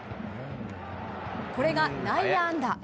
これが内野安打。